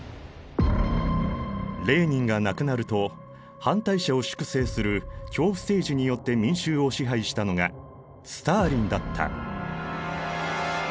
レーニンが亡くなると反対者を粛清する恐怖政治によって民衆を支配したのがスターリンだった。